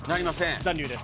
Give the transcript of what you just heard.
残留です。